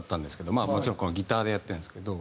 まあもちろんギターでやってるんですけど。